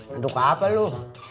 tentu apa lo